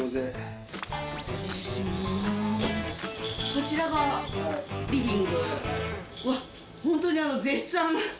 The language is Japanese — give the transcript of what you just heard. こちらがリビング？